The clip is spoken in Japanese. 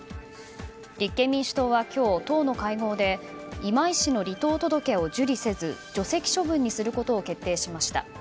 立憲民主党は今日、党の会合で今井氏の離党届を受理せず除籍処分にすることを決定しました。